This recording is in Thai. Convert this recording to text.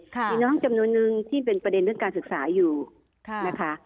มีน้องจำนวนนึงที่เป็นประเด็นเรื่องการศึกษาอยู่นะคะ